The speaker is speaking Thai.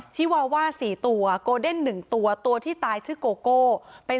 ชิวาว่าสี่ตัวกูเดนหนึ่งตัวตัวที่ตายชื่อโกโก่เป็น